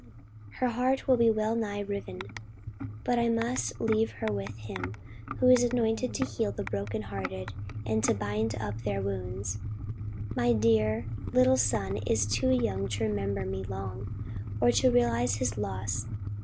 Her heart will be well nigh riven. But I must leave her with Him who is anointed to heal the broken hearted and to bind up their wounds. My dear little son is too young to remember me long, or to realize his loss.